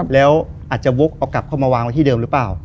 แล้วอาจจะวกเอากลับเข้ามาวางไว้ที่เดิมหรือเปล่า